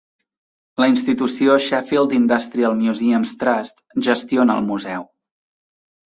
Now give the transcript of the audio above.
La institució Sheffield Industrial Museums Trust gestiona el museu.